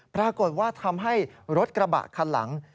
ปรากฏว่าทำให้รถกระบะคันหลัง